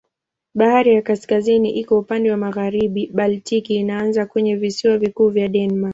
Bahari ya Kaskazini iko upande wa magharibi, Baltiki inaanza kwenye visiwa vikuu vya Denmark.